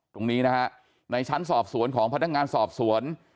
ตรงนี้นะฮะในชั้นสอบสวนของพนักงานสอบสวน